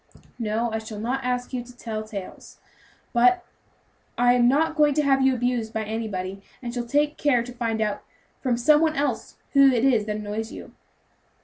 "No, I shall not ask you to tell tales, but I am not going to have you abused by anybody, and shall take care to find out from some one else who it is that annoys you."